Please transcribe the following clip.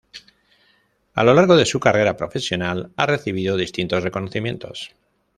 A lo largo de su carrera profesional ha recibido distintos reconocimientos.